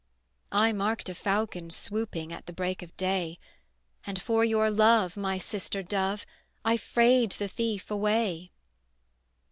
"I marked a falcon swooping At the break of day: And for your love, my sister dove, I 'frayed the thief away."